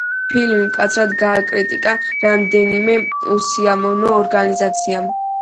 ფილმი მკაცრად გააკრიტიკა რამდენიმე უსინათლოთა ორგანიზაციამ.